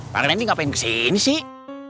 pak rendy ngapain kesini sih